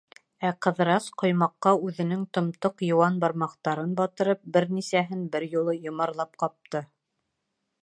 Ә Ҡыҙырас, ҡоймаҡҡа үҙенең томтоҡ, йыуан бармаҡтарын батырып, бер нисәһен бер юлы йомарлап ҡапты.